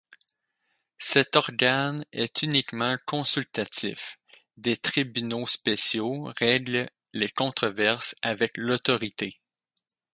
Cet organe est uniquement consultatif, des tribunaux spéciaux règlent les controverses avec l'autorité.